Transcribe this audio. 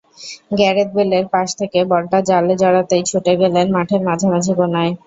Gareth বেলের pass থেকে বলটা জালে জড়াতেই ছুটে গেলেন মাঠের মাঝামাঝি কোনায়।